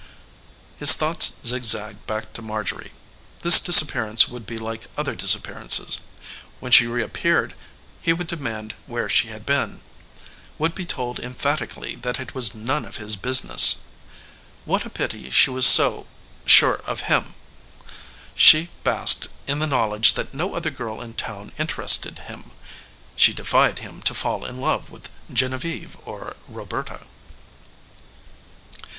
His thoughts zigzagged back to Marjorie. This disappearance would be like other disappearances. When she reappeared he would demand where she had been would be told emphatically that it was none of his business. What a pity she was so sure of him! She basked in the knowledge that no other girl in town interested him; she defied him to fall in love with Genevieve or Roberta.